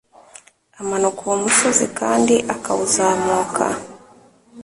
amanuka uwo musozi kandi akawuzamuka